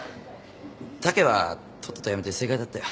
武はとっとと辞めて正解だったよ。